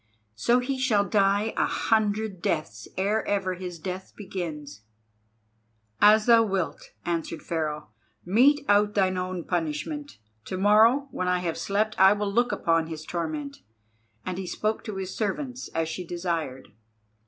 So he shall die a hundred deaths ere ever his death begins." "As thou wilt," answered Pharaoh. "Mete out thine own punishment. To morrow when I have slept I will look upon his torment." And he spoke to his servants as she desired.